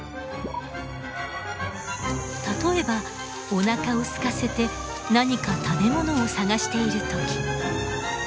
例えばおなかをすかせて何か食べ物を探している時。